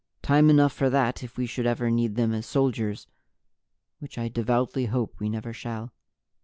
Time enough for that if we should ever need them as soldiers which I devoutly hope we never shall."